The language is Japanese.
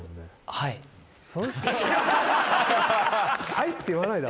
「はい」って言わないで。